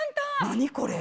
何これ。